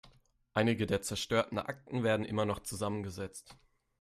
Einige der zerstörten Akten werden immer noch zusammengesetzt.